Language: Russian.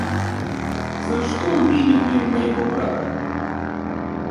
За что убили вы моего брата?